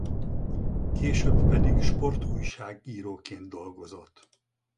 Később pedig sportújságíróként dolgozott.